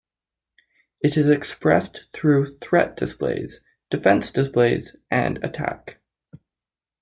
It is expressed through threat displays, defense displays, and attack.